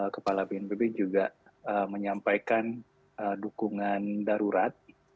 kepala bnpb juga menyampaikan dukungan darurat